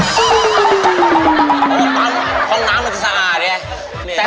โอ้โฮปั๊มของน้ำมันจะสะอาดเนี่ย